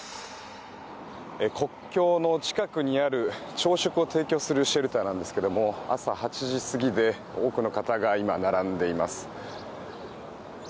国境の近くにある朝食を提供するシェルターなんですけれども朝８時過ぎで多くの方が今、並んでいます。